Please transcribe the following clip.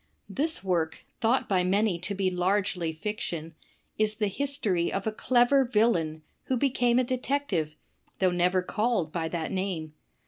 This work, thought by many to be largely fiction, is the history of a clever villain who became a detective, though never called by that name.